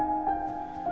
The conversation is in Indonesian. amir kasihan parkurnya